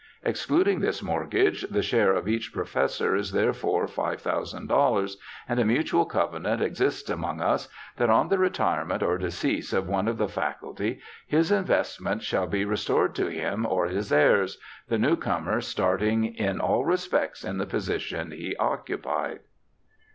Excluding this mortgage the share of each professor is therefore $5,000, and a mutual covenant exists among us that on the retirement or 126 BIOGRAPHICAL ESSAYS decease of one of the Faculty his investment shall be restored to him or his heirs — the new comer starting in all respects in the position he occupied.'